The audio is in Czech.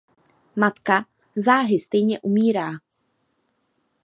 Matka záhy stejně umírá.